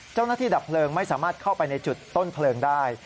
เจ้าหน้าที่ดับเพลิงไม่สามารถเข้าไปในจุดต้นเพลิงได้